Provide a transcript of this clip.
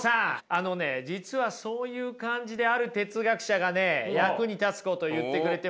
あのね実はそういう感じである哲学者がね役に立つこと言ってくれてますよ。